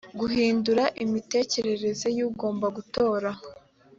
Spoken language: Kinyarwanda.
guhindura imitekerereze y ugomba gutora